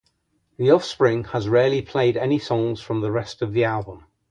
The Offspring has rarely played any songs from the rest of the album.